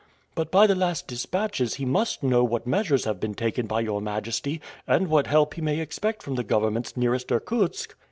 "But by the last dispatches, he must know what measures have been taken by your majesty, and what help he may expect from the governments nearest Irkutsk?"